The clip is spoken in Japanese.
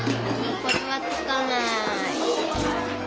これはつかない。